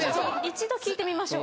一度聞いてみましょう。